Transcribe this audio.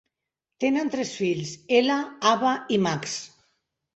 Tenen tres fills: Ella, Ava i Max.